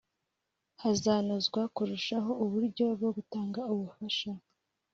Hazanozwa kurushaho uburyo bwo gutanga ubufasha